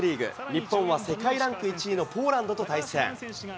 日本は世界ランク１位のポーランドと対戦。